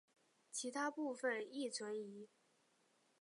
其他部分亦存疑。